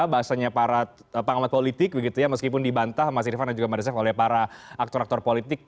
bahasanya para pengamat politik begitu ya meskipun dibantah mas irvan dan juga meresep oleh para aktor aktor politik